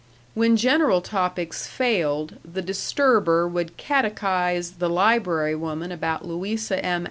When general topics failed, the disturber would catechize the library woman about Louisa M.